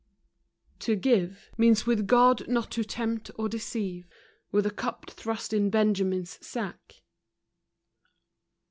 To give, . Means with God not to tempt or deceive With a cup thrust in Benjamin's sack.